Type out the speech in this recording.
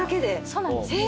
そうなんです。